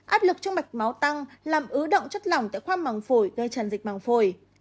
áp lực trong mạch máu tăng làm ứ động chất lòng tại khoang măng phổi gây tràn dịch măng phổi